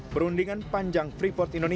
perundingan panjang freeport indonesia